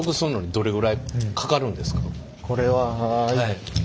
これは。